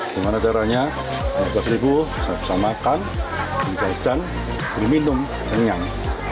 gimana caranya lima belas ribu bisa makan bisa jalan bisa minum senyang